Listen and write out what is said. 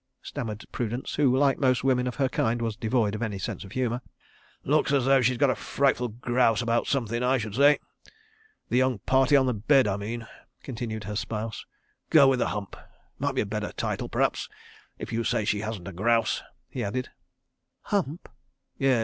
stammered Prudence who, like most women of her kind, was devoid of any sense of humour. "Looks as though she's got a frightful grouse about somethin', I should say. The young party on the bed, I mean," continued her spouse. "'Girl with the Hump' might be a better title p'r'aps—if you say she hasn't a grouse," he added. "Hump?" "Yes.